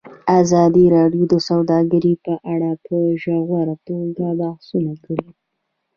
ازادي راډیو د سوداګري په اړه په ژوره توګه بحثونه کړي.